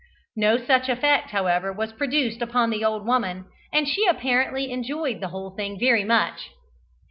No such effect, however, was produced upon the old woman, and she apparently enjoyed the whole thing very much.